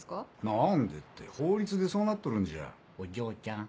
何でって法律でそうなっとるんじゃお嬢ちゃん。